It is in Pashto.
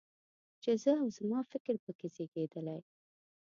چې زه او زما فکر په کې زېږېدلی.